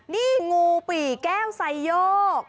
นี่งูปี่แก้วไซโยก